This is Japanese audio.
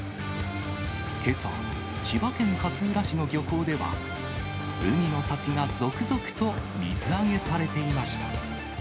けさ、千葉県勝浦市の漁港では、海の幸が続々と水揚げされていました。